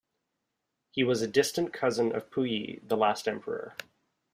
He was a distant cousin of Puyi, the Last Emperor.